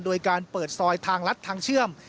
โดยการเปิดซอยทางลัดทางเชื่อม